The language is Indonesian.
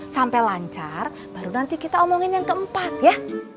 sampai lancar baru nanti kita omongin yang keempat ya